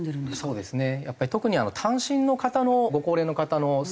そうですね。